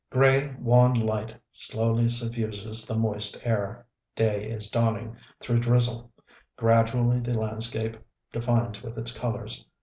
Grey wan light slowly suffuses the moist air; day is dawning through drizzle.... Gradually the landscape defines with its colors.